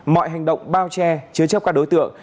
mọi hành động bao che chứa chấp các đối tượng